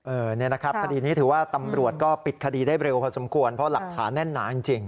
เนี่ยนะครับคดีนี้ถือว่าตำรวจก็ปิดคดีได้เร็วพอสมควรเพราะหลักฐานแน่นหนาจริง